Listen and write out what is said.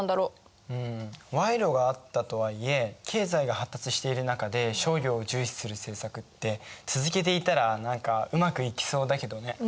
うん賄賂があったとはいえ経済が発達している中で商業を重視する政策って続けていたら何かうまくいきそうだけどね。